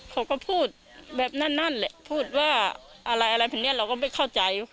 เขาก็พูดแบบนั้นเลยพูดว่าอะไรแบบนี้เราก็ไม่เข้าใจ